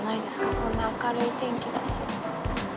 こんな明るい天気だし。